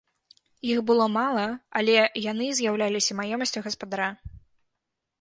Іх было мала, але яны з'яўляліся маёмасцю гаспадара.